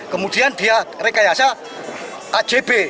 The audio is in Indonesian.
kemudian dia rekayasa ajb